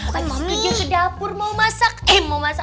kenapa pasti takut gimana sih kamu